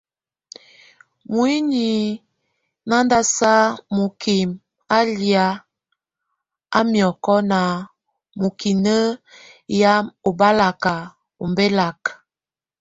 Muenyi nandasa mukimʼ á lia a miɔkɔ́ na mukiné yam obalak ombɛlak.